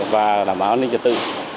và đảm bảo an ninh trật tự